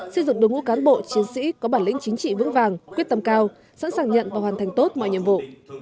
xây dựng đồng ngũ cán bộ chiến sĩ có bản lĩnh chính trị vững vàng quyết tâm cao sẵn sàng nhận và hoàn thành tốt mọi nhiệm vụ